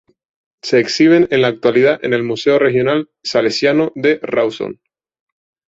Se exhiben en la actualidad en Museo Regional Salesiano de Rawson.